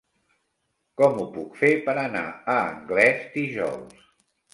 Com ho puc fer per anar a Anglès dijous?